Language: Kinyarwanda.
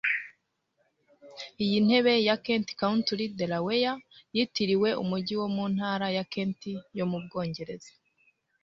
Iyi ntebe ya Kent County, Delaware yitiriwe umujyi wo mu ntara ya Kent yo mu Bwongereza